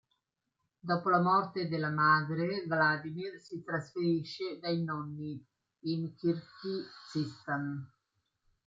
Dopo la morte della madre, Vladimir si trasferisce dai nonni in Kirghizistan.